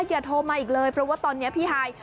อย่าโทรมาอีกเลยเพราะว่าตอนนี้พี่ฮาย